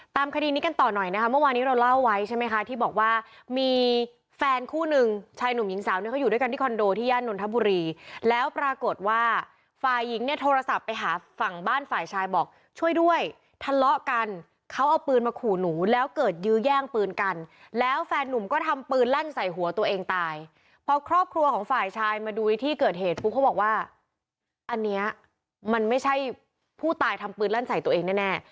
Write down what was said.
ตามคดีนี้กันต่อหน่อยนะคะเมื่อวานี้เราเล่าไว้ใช่ไหมคะที่บอกว่ามีแฟนคู่หนึ่งชายหนุ่มหญิงสาวเนี่ยเขาอยู่ด้วยกันที่คอนโดที่ย่านนทบุรีแล้วปรากฏว่าฝ่ายหญิงเนี่ยโทรศัพท์ไปหาฝั่งบ้านฝ่ายชายบอกช่วยด้วยทะเลาะกันเขาเอาปืนมาขู่หนูแล้วเกิดยื้อย่างปืนกันแล้วแฟนนุ่มก็ทำปืนลั่นใส่หัวตัวเอง